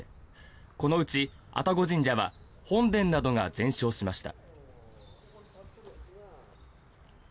このうち、愛宕神社は本殿などが全焼しました。